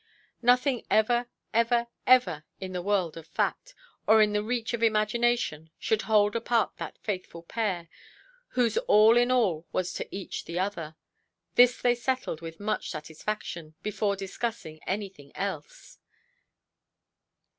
Nothing ever, ever, ever, in the world of fact, or in the reach of imagination, should hold apart that faithful pair, whose all in all was to each the other. This they settled with much satisfaction, before discussing anything else.